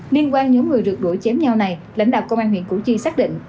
liên quan những người rượt đuổi chém nhau này lãnh đạo công an huyện củ chi xác định